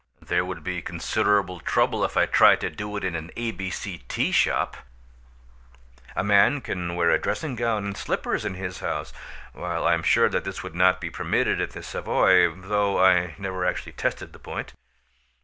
There would be considerable trouble if I tried to do it in an A.B.C. tea shop. A man can wear a dressing gown and slippers in his house; while I am sure that this would not be permitted at the Savoy, though I never actually tested the point.